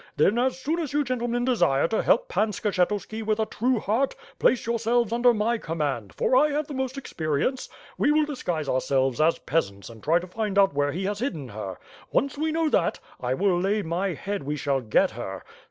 Then, as soon as you gentlemen desire to help Pan Skshetuski with a true heart, place yourselves under my command; for I have the most experience. We will disguise ourselves as peasants and try to find out where he has hidden her. Once we know that, I will lay my head we shall get her.